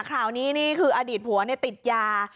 ข่าวนี้นี่คืออดีตผัวเนี่ยติดยา